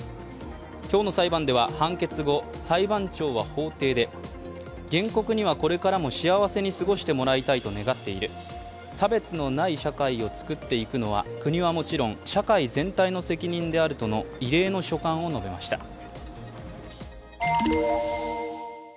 今日の裁判では、判決後裁判長は法廷で、原告には、これからも幸せに過ごしてもらいたいと願っている差別のない社会を作っていくのは国はもちろん社会全体の責任であるとの異例の所感を述べました。